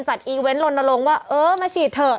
อีเวนต์ลนลงว่าเออมาฉีดเถอะ